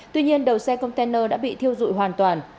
tuy nhiên đầu xe container đã bị thiêu dụi hoàn toàn